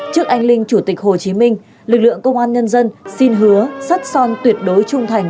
trước anh linh chủ tịch hồ chí minh lực lượng công an nhân dân xin hứa sắt son tuyệt đối trung thành